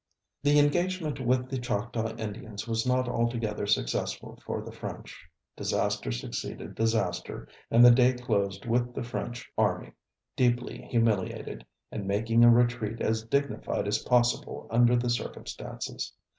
The engagement with the Choctaw Indians was not altogether successful for the French. Disaster succeeded disaster, and the day closed with the French army deeply humiliated, and making a retreat as dignified as possible under the circumstances.